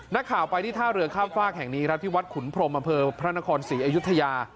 นักข่าวไปที่ท่าเรือข้ามฟากแห่งนี้ครับที่วัดขุนพรมอำเภอพระนครศรีอยุธยา